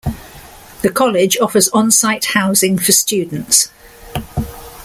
The college offers on-site housing for students.